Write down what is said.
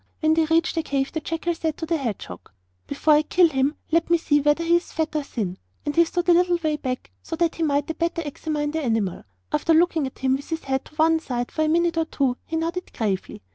When they reached the cave the jackal said to the hedgehog. 'Before I kill him let me see whether he is fat or thin.' And he stood a little way back, so that he might the better examine the animal. After looking at him, with his head on one side, for a minute or two, he nodded gravely.